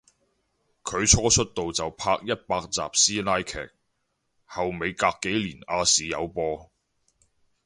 佢初出道就拍一百集師奶劇，後尾隔幾年亞視有播